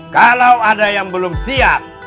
kalau ada yang belum siap